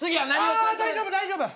ああ大丈夫大丈夫。